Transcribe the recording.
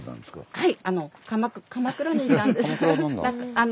はい。